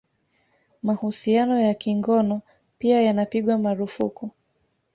Mahusiano ya kingono pia yanapigwa marufuku